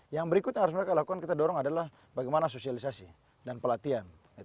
yang berikut yang harus mereka lakukan kita dorong adalah bagaimana sosialisasi dan pelatihan